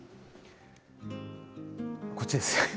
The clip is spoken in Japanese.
こっちですね。